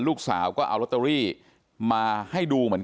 อันนี้แม่งอียางเนี่ย